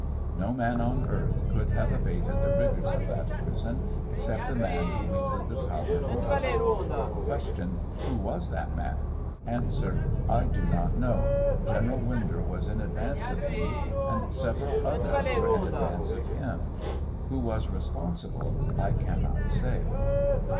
No man on earth could have abated' the rigors of that prison, except the man who wielded the power over them. Q. Who was that man 1 A. I do not know. General Winder was in advance of me, and several others were in ad vance of him. Who was responsible I cannot say.